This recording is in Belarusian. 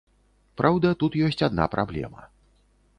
Праўда, тут ёсць адна праблема.